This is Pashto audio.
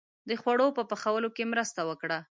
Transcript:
• د خوړو په پخولو کې مرسته وکړه.